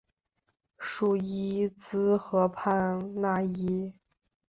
叙伊兹河畔讷伊。